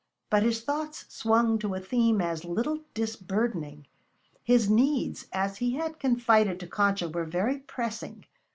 But his thoughts swung to a theme as little disburdening. His needs, as he had confided to Concha, were very pressing.